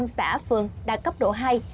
hai trăm bốn mươi năm xã phường đạt cấp độ hai